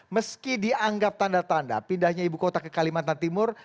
meski dianggap tanda tanda pindahnya ibu kota ke kalimantan timur